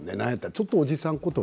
ちょっとおじさん